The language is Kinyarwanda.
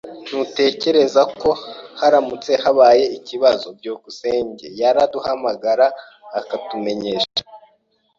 Ntutekereza ko haramutse habaye ikibazo, byukusenge yaraduhamagara akatumenyesha?